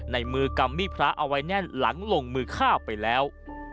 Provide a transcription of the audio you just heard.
ในมือกำมีดพระเอาไว้แน่นหลังลงมือฆ่าไปแล้ว